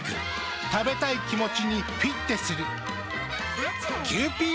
食べたい気持ちにフィッテする。